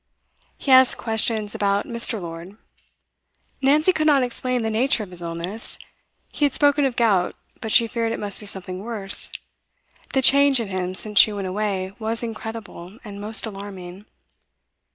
He asked questions about Mr. Lord. Nancy could not explain the nature of his illness; he had spoken of gout, but she feared it must be something worse; the change in him since she went away was incredible and most alarming.